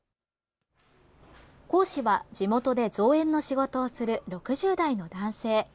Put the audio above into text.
講師は、地元で造園の仕事をする６０代の男性。